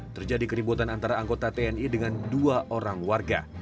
terjadi keributan antara anggota tni dengan dua orang warga